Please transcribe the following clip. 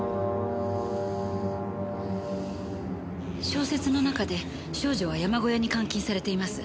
小説の中で少女は山小屋に監禁されています。